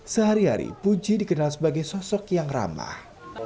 sehari hari puji dikenal sebagai sosok yang ramah